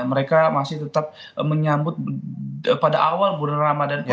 mereka masih tetap menyambut pada awal bulan ramadan ini